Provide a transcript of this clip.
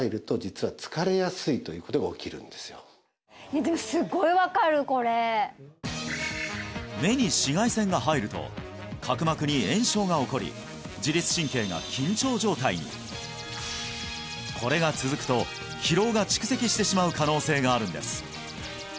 実はねはあええですから目に紫外線が入ると角膜に炎症が起こり自律神経が緊張状態にこれが続くと疲労が蓄積してしまう可能性があるんです